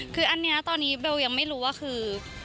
คืออันนี้ตอนนี้เบลยังไม่รู้ว่าคือ